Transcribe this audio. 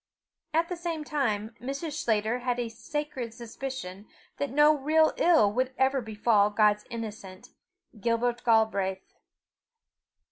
At the same time Mrs. Sclater had a sacred suspicion that no real ill would ever befall God's innocent, Gilbert Galbraith.